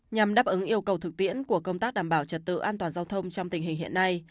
nhằm đáp ứng yêu cầu thực tiễn của công tác đảm bảo trật tự an toàn giao thông trong tình hình hiện nay